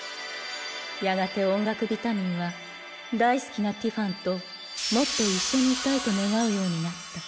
やがて音楽ビタミンは大好きなティファンともっと一緒にいたいと願うようになった。